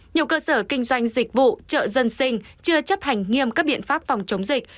nhiều cơ sở kinh doanh dịch vụ chợ dân sinh chưa chấp hành nghiêm các biện pháp phòng chống dịch